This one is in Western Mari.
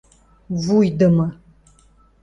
Вуйдымы!..